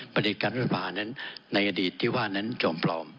ประเด็ดการรัฐสภานั้นในอดีตที่ว่านั้นจมปลอม